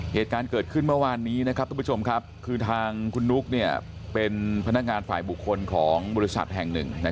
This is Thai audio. เหตุการณ์เกิดขึ้นเมื่อวานนี้นะท่างคนนุ๊กเป็นพนักงานฝ่ายบุคคลของบริษัทแห่งหนึ่ง